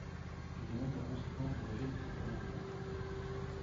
Je demande par conséquent le rejet de cet amendement.